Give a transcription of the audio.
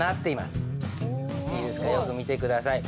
いいですかよく見て下さい。